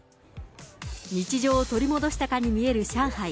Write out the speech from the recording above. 日常を取り戻したかに見える上海。